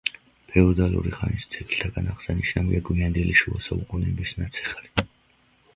ფეოდალური ხანის ძეგლთაგან აღსანიშნავია გვიანდელი შუა საუკუნეების ნაციხარი.